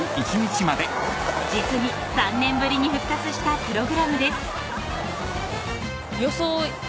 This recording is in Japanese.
［実に３年ぶりに復活したプログラムです］